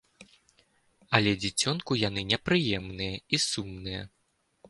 Але дзіцёнку яны не прыемныя і сумныя.